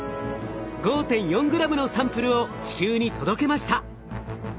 ５．４ｇのサンプルを地球に届けました。